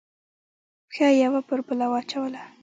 پښه یې یوه پر بله واچوله.